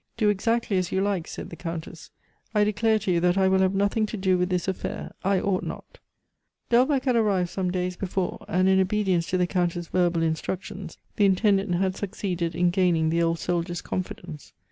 "Do exactly as you like," said the Countess. "I declare to you that I will have nothing to do with this affair. I ought not." Delbecq had arrived some days before, and in obedience to the Countess' verbal instructions, the intendant had succeeded in gaining the old soldier's confidence.